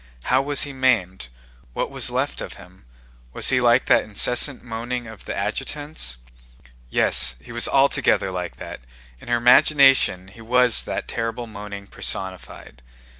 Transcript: How was he maimed? What was left of him? Was he like that incessant moaning of the adjutant's? Yes, he was altogether like that. In her imagination he was that terrible moaning personified.